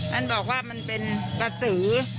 มันบอกว่ามันเป็นกระสือ